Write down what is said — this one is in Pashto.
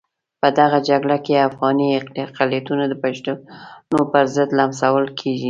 په دغه جګړه کې افغاني اقلیتونه د پښتنو پرضد لمسول کېږي.